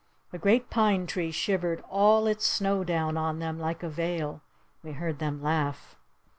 A great pine tree shivered all its snow down on them like a veil. We heard them laugh.